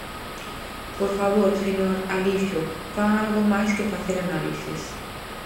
Por favor, señor Alixo, fagan algo máis que facer análises.